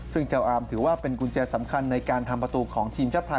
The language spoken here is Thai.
ซึ่งเจ้าอาร์มถือว่าเป็นกุญแจสำคัญในการทำประตูของทีมชาติไทย